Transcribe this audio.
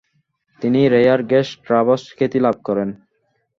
তিনি ''rare gas Travers" খ্যাতি লাভ করেন।